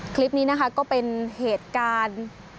คลิปนี้นะคะก็เป็นเหตุการณ์